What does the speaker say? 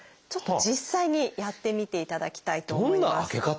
ちょっと実際にやってみていただきたいと思います。